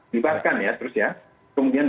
dibahas kan ya terus ya kemudian